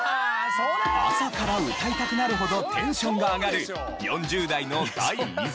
朝から歌いたくなるほどテンションが上がる４０代の第１位は。